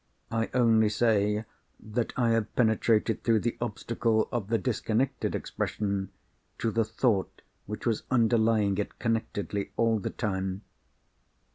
I only say that I have penetrated through the obstacle of the disconnected expression, to the thought which was underlying it connectedly all the time.